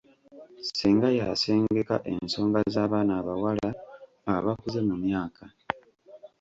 Ssenga y'asengeka ensonga z'abaana abawala abakuze mu myaka.